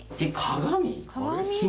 鏡！？